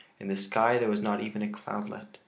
In the sky there was not even a cloudlet.